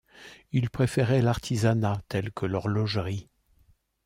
Il préférait l'artisanat, tel que l'horlogerie.